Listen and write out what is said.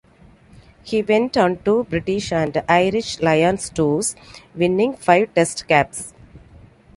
He went on two British and Irish Lions tours, winning five test caps.